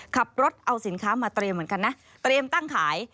ขับรถเอาสินค้ามาเตรียมเหมือนกันนะเตรียมตั้งขาย